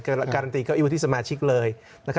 แต่การันตีเก้าอี้วุฒิสมาชิกเลยนะครับ